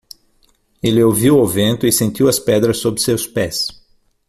Ele ouviu o vento e sentiu as pedras sob seus pés.